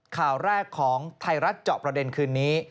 ข่าวแรกของไทยรัฐเจาะประเด็นคืนนี้